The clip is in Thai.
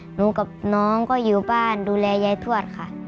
หนูกับน้องก็อยู่บ้านดูแลยายทวดค่ะ